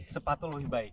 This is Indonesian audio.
sepatul lebih baik